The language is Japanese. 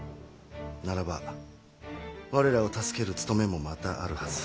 ならば我らを助ける務めもまたあるはず。